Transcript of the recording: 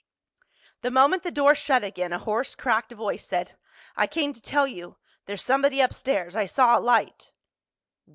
The moment the door shut again a hoarse cracked voice said, "I came to tell you—there's somebody upstairs. I saw a light!"